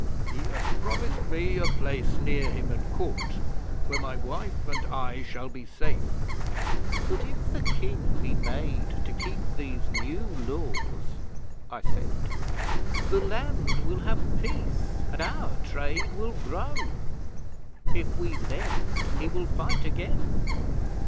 He hath promised me a place near him at Court, where my wife and I shall be safe." '"But if the King be made to keep these New Laws," I said, "the land will have peace, and our trade will grow. If we lend he will fight again."